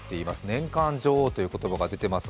年間女王という言葉が出ています。